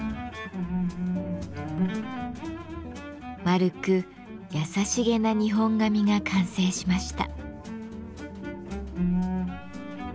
丸く優しげな日本髪が完成しました。